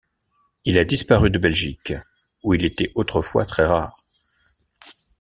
Il a disparu de Belgique où il était autrefois très rare.